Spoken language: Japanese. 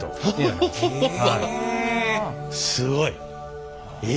すごい！え！